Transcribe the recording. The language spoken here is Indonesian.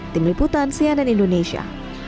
tim liputan cnn indonesia